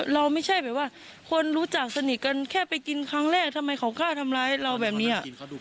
เราก็รู้จักสนิทกันแค่ไปกินครั้งแรกทำไมเขากล้าทำร้าให้เราแบบนี้